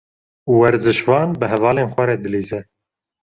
Werzişvan bi hevalên xwe re dilîze.